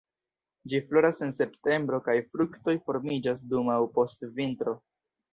Ĝi floras en septembro kaj fruktoj formiĝas dum aŭ post vintro.